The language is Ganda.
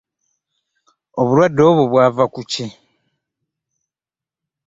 Obulwadde obwo bwava ku ki?